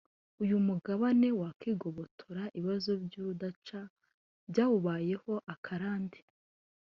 uyu mugabane wakwigobotora ibibazo by’urudaca byawubayeho akarande